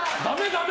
ダメ！